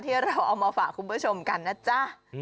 ที่เราเอามาฝากคุณผู้ชมกันนะจ๊ะ